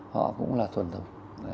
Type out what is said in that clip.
họ cũng là thuần thục